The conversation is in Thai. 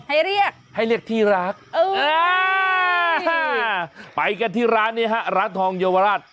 ให้เรียกให้เรียกที่รักไปกันที่ร้านนี้ฮะร้านทองเยาวราช